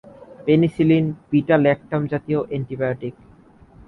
Penicillin beta lactam জাতীয় antibiotic.